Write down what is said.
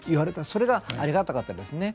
それがありがたかったですね。